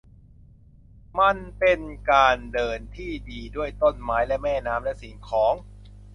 มันเป็นการเดินที่ดีด้วยต้นไม้และแม่น้ำและสิ่งของ